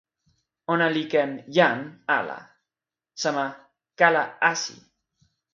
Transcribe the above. ona li ken "jan" ala, sama "kala Asi".